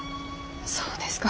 そうですか。